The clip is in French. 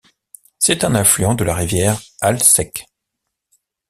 C'est un affluent de la rivière Alsek.